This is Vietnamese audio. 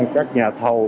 các nhà thầu